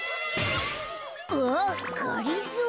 うわっがりぞー。